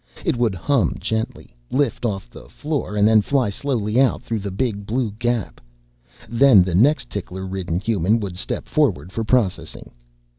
It would hum gently, lift off the floor and then fly slowly out through the big blue gap. Then the next tickler ridden human would step forward for processing.